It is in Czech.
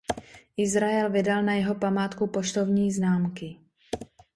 Izrael vydal na jeho památku poštovní známky.